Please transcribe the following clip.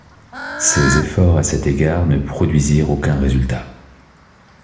Ses efforts à cet égard ne produisirent aucun résultat.